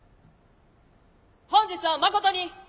本日はまことに。